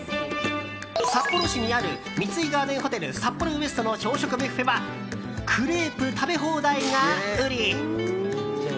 札幌市にある三井ガーデンホテル札幌ウエストの朝食ビュッフェはクレープ食べ放題が売り。